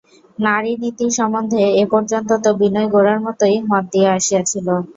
নারীনীতি সম্বন্ধে এ-পর্যন্ত তো বিনয় গোরার মতেই মত দিয়া আসিয়াছিল।